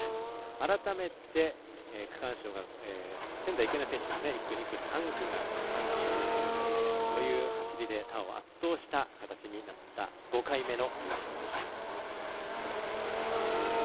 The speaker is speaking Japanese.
改めて仙台育英の選手１区、２区、３区が区間賞という走りで他を圧倒した形になった５回目の優勝でした。